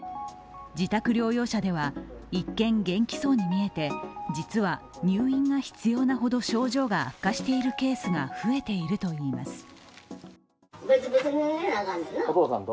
自宅療養者では一見元気そうに見えて実は入院が必要なほど症状が悪化しているケースが増えているといいます。